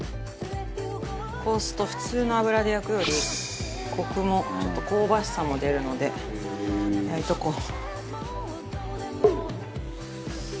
こうすると普通の油で焼くよりコクもちょっと香ばしさも出るので焼いておこう。